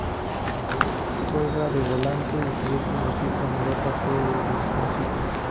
Juega de volante y su último equipo en Europa fue el Bristol City.